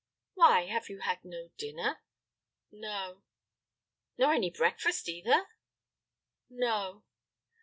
"Why, have you had no dinner?" "No." "Nor any breakfast, either?" "No."